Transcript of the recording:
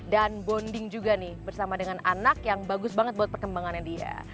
dan bonding juga nih bersama dengan anak yang bagus banget buat perkembangannya dia